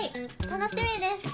楽しみです。